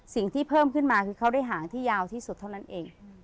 สิ่งที่เพิ่มขึ้นมาคือเขาได้หางที่ยาวที่สุดเท่านั้นเอง